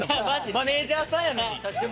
マネジャーさんやのに。